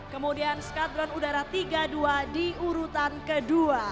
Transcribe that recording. kemudian skadron udara tiga dua di urutan kedua